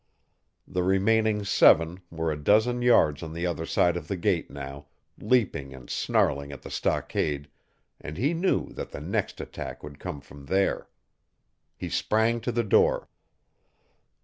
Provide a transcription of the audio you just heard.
The remaining seven were a dozen yards on the other side of the gate now, leaping and snarling at the stockade, and he knew that the next attack would come from there. He sprang to the door.